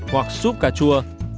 hoặc súp cà chua